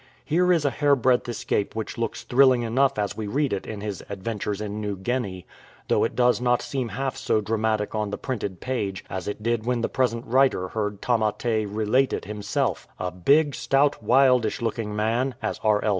Here is a hairbreadth escape which T 289 A PERILOUS RETREAT looks thrilling enough as we read it in his Adventures in New Guinea, though it does not seem half so dramatic on the printed page as it did when the present writer heard Tamate relate it himself —" a big, stout, wildish looking man," as R. L.